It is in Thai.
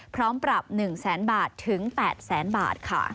พร้อมปรับ๑๐๐๐๐๐บาทถึง๘๐๐๐๐๐บาทค่ะ